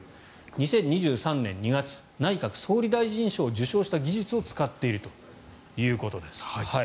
２０２３年２月内閣総理大臣賞を受賞した技術を使っているということです。